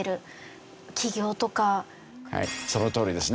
はいそのとおりですね。